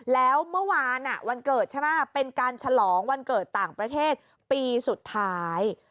แล้วเมื่อวานวันเกิดใช่ไหมเป็นการฉลองวันเกิดต่างประเทศปีสุดท้าย